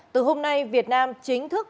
từ hôm nay việt nam chính thức